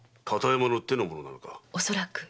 恐らく。